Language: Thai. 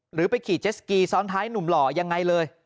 หรือไปขี่เจสกีซ้อนท้ายหนุ่มหล่อยังไงเลย